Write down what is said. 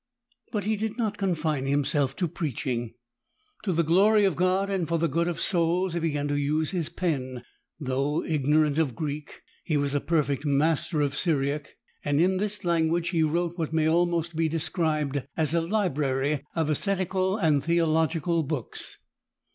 '' But he did not confine himself to preaching. To the glory of God and for the good of souls he began to use his pen. Though ignorant of Greek, he was a perfect master of Syriac, and in this language he wrote what may almost be described as a library of ascetical and theological books.